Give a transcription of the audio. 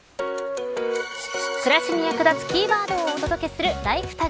暮らしに役立つキーワードをお届けするＬｉｆｅＴａｇ。